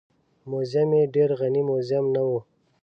موزیم یې ډېر غني موزیم نه و.